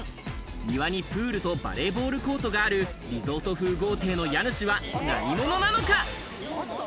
庭にプールとバレーボールコートがあるリゾート風豪邸の家主は何者なのか？